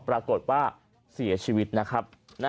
ปรากฏว่าเสียชีวิตนะครับ